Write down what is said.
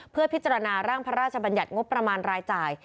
เพื่อพิจารณาร่างพระราชบัญญัติงบประมาณรายจ่าย